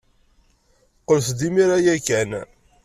Qqlet-d imir-a ya kan.